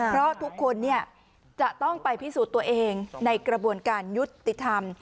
เพราะทุกคนจะต้องไปพิสูจน์ตัวเองในกระบวนการยุติธรรม